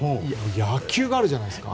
野球があるじゃないですか。